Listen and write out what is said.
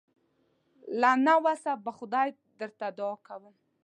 له نه وسه به خدای ته دعا کوم.